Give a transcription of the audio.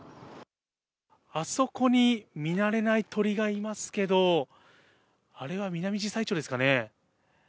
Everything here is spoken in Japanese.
あそこに見慣れない鳥がいますけど、あれはミナミジサイチョウですかね？